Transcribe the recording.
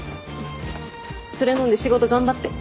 それ飲んで仕事頑張って。